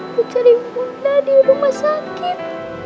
buat cari bunda di rumah sakit